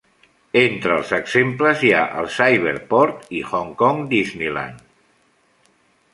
Entre els exemples hi ha el Cyberport i Hong Kong Disneyland.